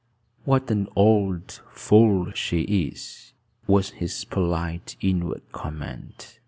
"What an old fool she is!" was his polite inward comment.